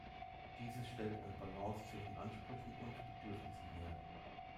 Dieses stellt eine Balance zwischen Ansprüchen und Bedürfnissen her.